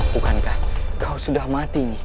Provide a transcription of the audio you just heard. bukankah kau sudah mati